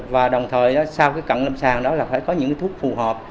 và đồng thời sau cái cận lâm sàng đó là phải có những thuốc phù hợp